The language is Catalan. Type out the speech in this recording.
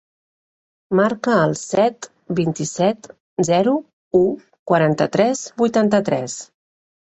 Marca el set, vint-i-set, zero, u, quaranta-tres, vuitanta-tres.